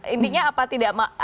intinya apa tidak